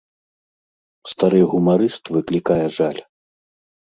Стары гумарыст выклікае жаль.